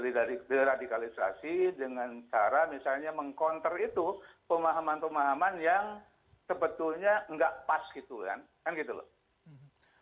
tapi kita harus ikut melakukan deradikalisasi dengan cara misalnya mengkonter itu pemahaman pemahaman yang sebetulnya tidak pas gitu kan